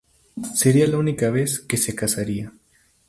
Sería la única vez que se casaría.